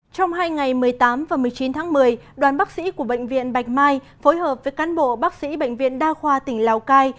trong hai ngày một mươi tám và một mươi chín tháng một mươi đoàn bác sĩ của bệnh viện bạch mai phối hợp với cán bộ bác sĩ bệnh viện đa khoa tỉnh lào cai